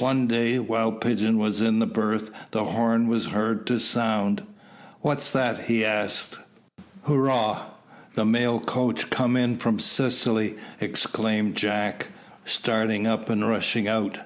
One day, while Pigeon was in the berth, the horn was heard to sound. "What's that?" he asked. "Hurrah! the mail coach come in from Sicily," exclaimed Jack, starting up and rushing out.